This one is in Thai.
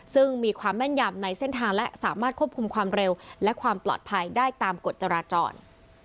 ซึ่งมีความแม่นยำในเส้นทางและสามารถควบคุมความเร็วและความปลอดภัยได้ตามกฎจราจร